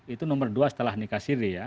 itu nomor dua setelah nikah siri ya